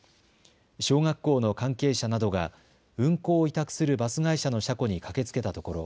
小学校の関係者などが運行を委託するバス会社の車庫に駆けつけたところ